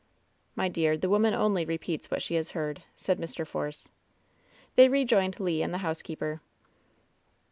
"My dear, the woman only repeats what she has heard,'' said Mr. Force. They rejoined Le and the housekeeper.